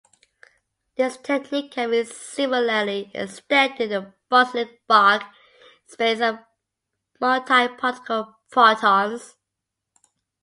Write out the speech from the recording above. This technique can be similarly extended to the bosonic Fock space of multiparticle photons.